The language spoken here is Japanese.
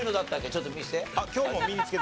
ちょっと見せて？